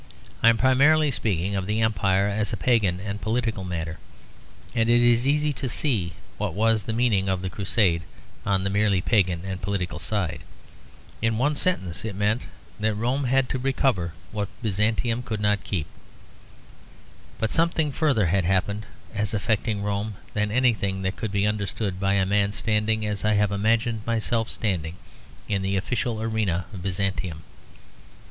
I am primarily speaking of the Empire as a pagan and political matter; and it is easy to see what was the meaning of the Crusade on the merely pagan and political side. In one sentence, it meant that Rome had to recover what Byzantium could not keep. But something further had happened as affecting Rome than anything that could be understood by a man standing as I have imagined myself standing, in the official area of Byzantium.